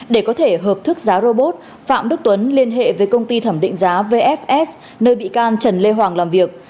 để có thể hợp thức giá robot phạm đức tuấn liên hệ với công ty thẩm định giá vfs nơi bị can trần lê hoàng làm việc